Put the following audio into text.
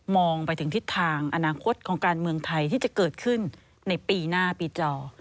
ไปถึงทิศทางอนาคตของการเมืองไทยที่จะเกิดขึ้นในปีหน้าปีจอ